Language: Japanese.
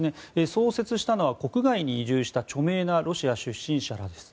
創設したのは国外に移住した著名なロシア出身者らです。